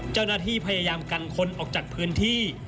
เจ้าหน้าที่พยายามกันคนออกจากพื้นที่